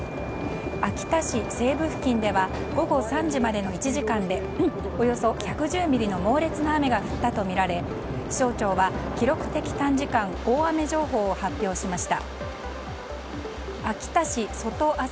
秋田市西部付近では午後３時までの１時間でおよそ１１０ミリの猛烈な雨が降ったとみられ気象庁は記録的短時間大雨情報を発表しました。